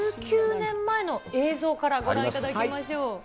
１９年前の映像からご覧いただきましょう。